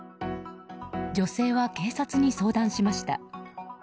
女性は警察に相談しました。